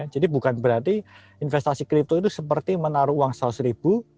jadi bukan berarti investasi kripto itu seperti menaruh uang rp seratus